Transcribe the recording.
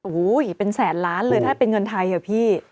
โอ้โหเป็นแสนล้านเลยถ้าเป็นเงินไทยอะพี่